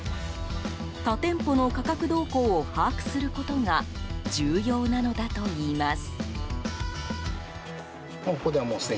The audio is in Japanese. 他店舗の価格動向を把握することが重要なのだといいます。